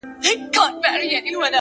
ستا د مينې ستا د عشق له برکته’